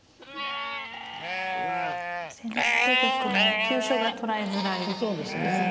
先手玉も急所が捉えづらいですね。